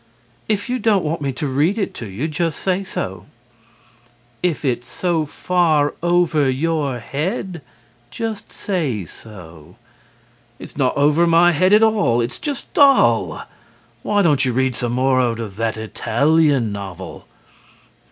WIFE: If you don't want me to read it to you, just say so ... (after thought) if it's so far over your head, just say so. HUSBAND: It's not over my head at all. It's just dull. Why don't you read some more out of that Italian novel?